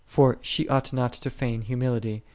For she ought not to feign humility, i Ps.